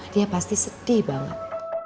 dia pasti sedih banget